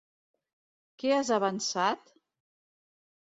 Què has avançat?